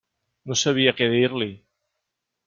No sabia què dir-li.